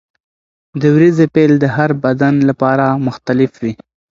د ورځې پیل د هر بدن لپاره مختلف وي.